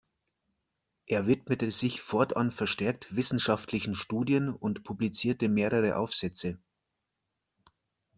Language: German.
Er widmete sich fortan verstärkt wissenschaftlichen Studien und publizierte mehrere Aufsätze.